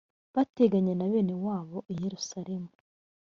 bateganye na bene wabo i yerusalemu